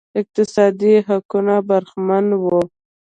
اقتصادي حقونو برخمن وو